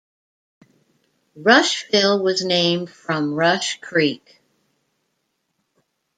Rushville was named from Rush Creek.